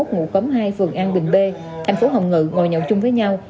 ngụ cống hai phường an bình b thành phố hồng ngự ngồi nhậu chung với nhau